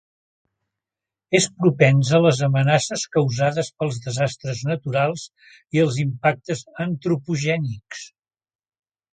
És propens a les amenaces causades pels desastres naturals i els impactes antropogènics.